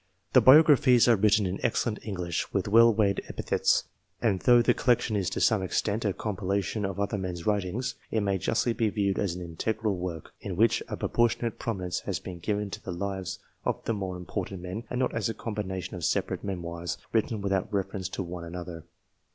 The biographies are written in excellent English, with well weighed epithets ; and though the collection is, to some extent, a compilation of other men's writings, it may justly be viewed as an integral work, in which a proportionate prominence has been given to the lives of the more im portant men, and not as a combination of separate memoirs, written without reference to one another.